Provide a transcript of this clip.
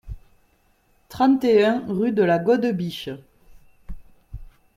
trente et un rue de la Gode Biche